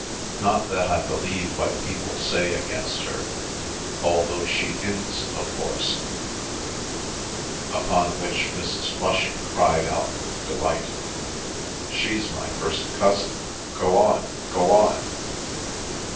"Not that I believe what people say against her—although she hints, of course—" Upon which Mrs. Flushing cried out with delight: "She's my first cousin! Go on—go on!"